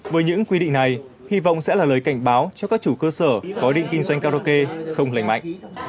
với những quy định này hy vọng sẽ là lời cảnh báo cho các chủ cơ sở có ý định kinh doanh karaoke không lành mạnh